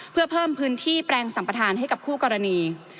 เพื่อเพิ่มพื้นที่แปลงสัมปทานให้กับคู่กรณี